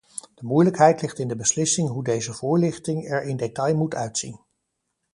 De moeilijkheid ligt in de beslissing hoe deze voorlichting er in detail moet uitzien.